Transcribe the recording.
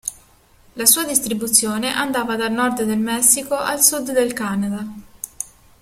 La sua distribuzione andava dal nord del Messico al sud del Canada.